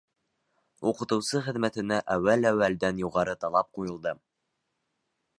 Уҡытыусы хеҙмәтенә әүәл-әүәлдән юғары талап ҡуйылды.